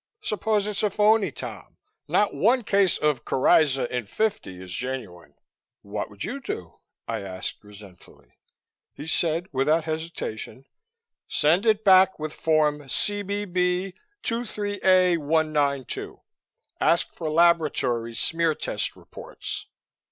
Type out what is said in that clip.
Suppose it's a phony, Tom? Not one case of coryza in fifty is genuine." "What would you do?" I asked resentfully. He said without hesitation, "Send it back with Form CBB 23A192. Ask for laboratory smear test reports."